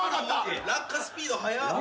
落下スピード速っ。